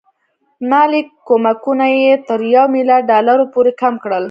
مالي کومکونه یې تر یو میلیارډ ډالرو پورې کم کړل.